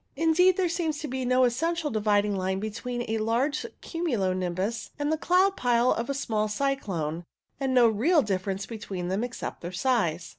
Indeed, there seems to be no essential dividing line between a large cumulo nimbus and the cloud pile of a small cyclone, and no real difference between them except their size.